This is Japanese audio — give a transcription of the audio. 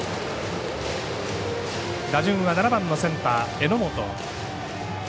打順は７番センター、榎本。